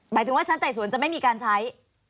หมายถึงว่าชั้นไต่สวนจะไม่มีการใช้